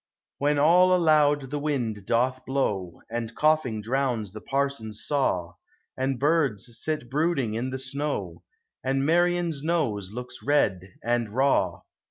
When all aloud the wind doth blow. And coughing drowns the parson's saw, And birds sit brooding in the snow, And Marian's nose looks red and raw.